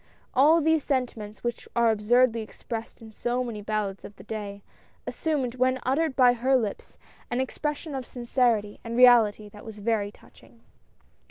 All these sentiments, which are absurdly expressed in so many ballads of the day, assumed, when uttered by her lips, an expression of sincerity and reality that was very touching.